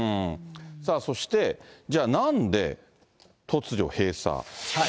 さあそして、じゃあなんで突如閉鎖。